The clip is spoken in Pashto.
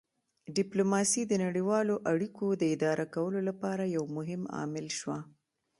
ډیپلوماسي د نړیوالو اړیکو د اداره کولو لپاره یو مهم عامل شوه